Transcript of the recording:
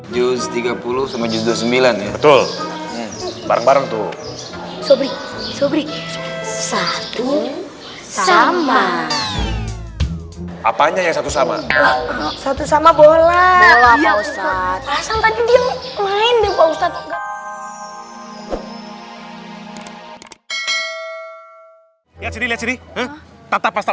jus tiga puluh dua puluh sembilan betul bareng bareng tuh sobring sobring satu sama apanya satu sama satu sama bola bola